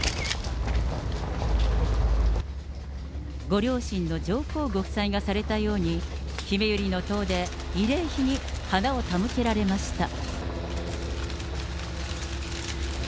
ご両親の上皇ご夫妻がされたように、ひめゆりの塔で慰霊碑に花を手向けられました。